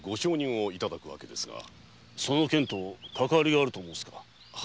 その件とかかわりがあると申すのか？